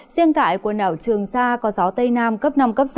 riêng tại quần đảo trường sa có gió tây nam cấp năm cấp sáu